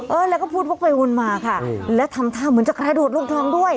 เออแล้วก็พูดวกไปวนมาค่ะและทำท่าเหมือนจะกระโดดลงคลองด้วย